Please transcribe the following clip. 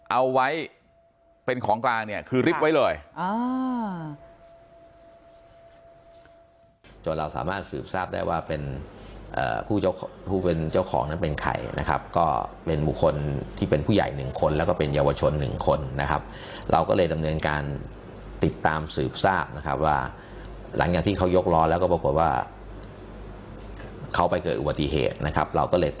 เอาไว้เป็นของกลางเนี่ยคือริบไว้เลย